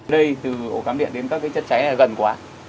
đây từ ổ cám điện đến các chất cháy này gần quá